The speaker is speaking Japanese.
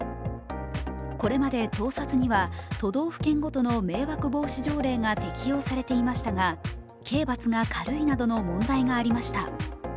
これまで盗撮には都道府県ごとの迷惑防止条例が適用されていましたが、刑罰が軽いなどの問題がありました。